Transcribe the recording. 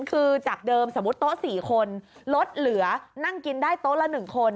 คือจากเดิมสมมุติโต๊ะ๔คนลดเหลือนั่งกินได้โต๊ะละ๑คน